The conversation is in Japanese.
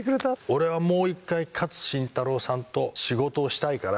俺はもう１回、勝新太郎さんと仕事をしたいから。